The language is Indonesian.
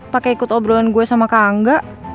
pakai ikut obrolan gua sama kang ngga